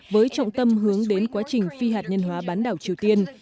với trọng tâm hướng đến quá trình phi hạt nhân hóa bán đảo triều tiên